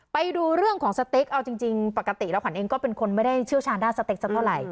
ไปดูเรื่องของสเต็กเอาจริงปกติแล้วขวัญเองก็เป็นคนไม่ได้เชี่ยวชาญด้านสเต็กสักเท่าไหร่